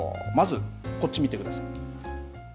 まず、こっち見てください。